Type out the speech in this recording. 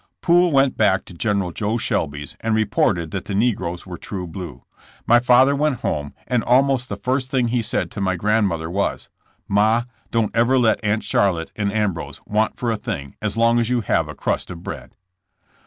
Poole went back to General Jo Shelby's and re ported that the negroes were true blue. My father went home and almost the first thing he said to my grandmother was: Ma, don't ever let Aunt Charlotte and Ambrose want for a thing as long as you have a crust of bread.